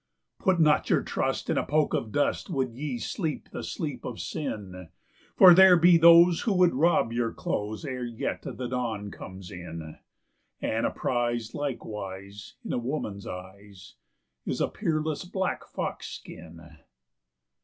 Put not your trust in a poke of dust would ye sleep the sleep of sin; For there be those who would rob your clothes ere yet the dawn comes in; And a prize likewise in a woman's eyes is a peerless black fox skin.